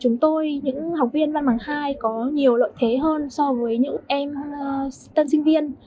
chúng tôi những học viên văn bằng hai có nhiều lợi thế hơn so với những em tân sinh viên